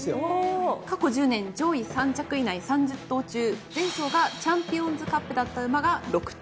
過去１０年上位３着以内３０頭中前走がチャンピオンズカップだった馬が６頭。